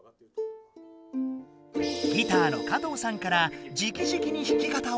ギターの加藤さんからじきじきに弾き方を教わるが。